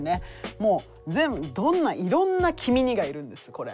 もう全部どんないろんな「きみに」がいるんですこれ。